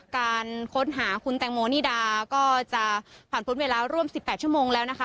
การค้นหาคุณแตงโมนิดาก็จะผ่านพ้นเวลาร่วม๑๘ชั่วโมงแล้วนะคะ